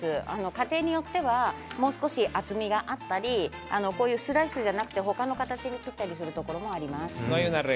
家庭によってはもう少し厚みがあったりスライスじゃなくて、他の形に切ったりするところもあります。